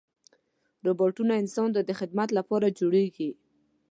روبوټونه انسان ته د خدمت لپاره جوړېږي.